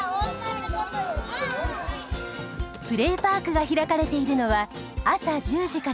プレーパークが開かれているのは朝１０時から夕方の６時まで。